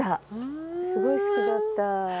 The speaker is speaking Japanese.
すごい好きだった。